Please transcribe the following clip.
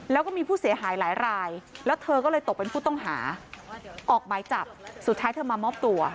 แล้วก็มีผู้เสียหายหลายรายแล้วเธอก็เลยตกเป็นผู้ต้องหาออกหมายจับสุดท้ายเธอมามอบตัว